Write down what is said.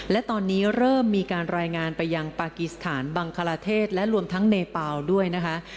และตอนนี้เริ่มมีการรายงานไปยังปากีสถานบังคลาเทศและรวมทั้งเนเปล่าด้วยนะคะ